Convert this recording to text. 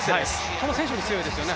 この選手も強いですね。